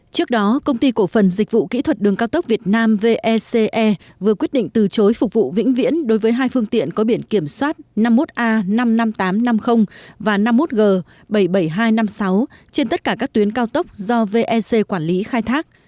trước đó công ty cổ phần dịch vụ kỹ thuật đường cao tốc việt nam vec e vừa quyết định từ chối phục vụ vĩnh viễn đối với hai phương tiện có biển kiểm soát năm mươi một a năm mươi năm nghìn tám trăm năm mươi và năm mươi một g bảy mươi bảy nghìn hai trăm năm mươi sáu trên tất cả các tuyến cao tốc do vec quản lý khai thác